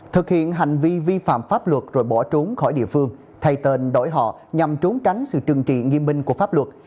thực hiện hành vi vi phạm pháp luật rồi bỏ trốn khỏi địa phương thay tên đổi họ nhằm trốn tránh sự trừng trị nghiêm minh của pháp luật